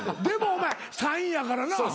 でもお前３位やからな。